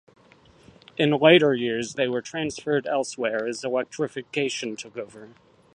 In later years they were transferred elsewhere as electrification took over.